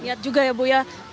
lihat juga ya bu ya